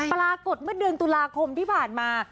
ปรากฏเมื่อเดือนตุลาคมที่ผ่านมา